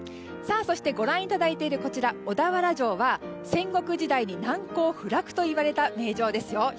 そして、ご覧いただいている小田原城は戦国時代に難攻不落と言われた名城ですよ